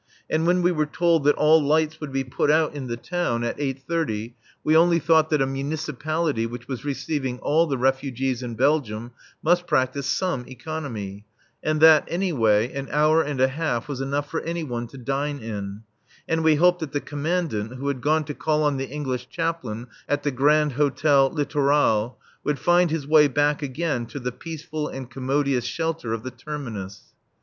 And when we were told that all lights would be put out in the town at eight thirty we only thought that a municipality which was receiving all the refugees in Belgium must practise some economy, and that, anyway, an hour and a half was enough for anybody to dine in; and we hoped that the Commandant, who had gone to call on the English chaplain at the Grand Hôtel Littoral, would find his way back again to the peaceful and commodious shelter of the "Terminus."